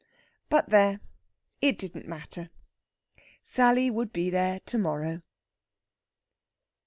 But there, it didn't matter! Sally would be there to morrow.